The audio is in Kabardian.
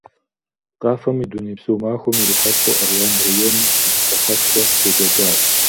Къафэм и дунейпсо махуэм ирихьэлӀэу, Аруан районым зэхыхьэшхуэ щекӀуэкӀащ.